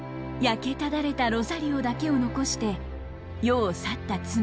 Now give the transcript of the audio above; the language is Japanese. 焼けただれたロザリオだけを残して世を去った妻。